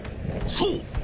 そう！